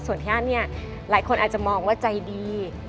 ส่วนที่อันเนี่ยหลายคนอาจจะมองว่าใจดี